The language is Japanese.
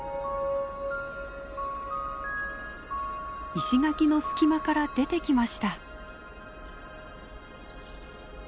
石垣の隙間から出てきました。